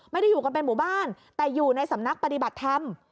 ไม่ได้อยู่กันเป็นหมู่บ้านแต่อยู่ในสำนักปฏิบัติธรรม